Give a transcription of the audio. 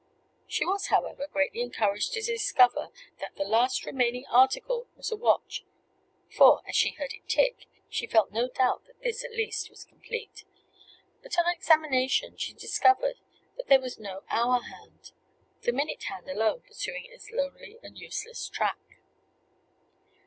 She was, however, greatly encouraged to discover that the last remaining article was a watch; for, as she heard it tick, she felt no doubt that this at least was complete; but upon examination she discovered that there was no hour hand, the minute hand alone pursuing its lonely and useless track.